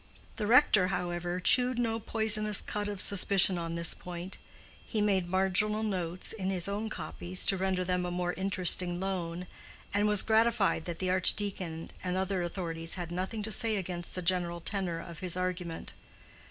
The rector, however, chewed no poisonous cud of suspicion on this point: he made marginal notes on his own copies to render them a more interesting loan, and was gratified that the Archdeacon and other authorities had nothing to say against the general tenor of his argument.